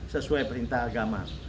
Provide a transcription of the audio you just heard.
sesuai perintah agama